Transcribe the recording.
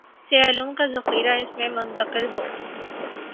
سے علوم کا ذخیرہ اس میں منتقل ہو